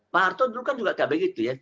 pak harto dulu kan juga tidak begitu ya